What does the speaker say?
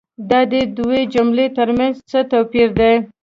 دا دي دوو جملو تر منځ څه توپیر دی؟